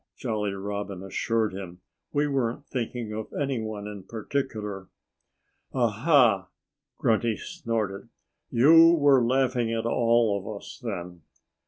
Jolly Robin assured him. "We weren't thinking of any one in particular." "Aha!" Grunty snorted. "You were laughing at all of us, then."